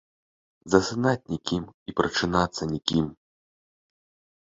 Засынаць нікім і прачынацца нікім.